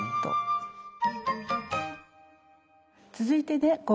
続いてね